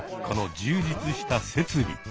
この充実した設備。